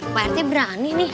pak rete berani nih